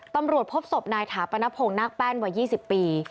ตำรวจพบศพนายถาปนพงศ์นาคแป้นวัย๒๐ปี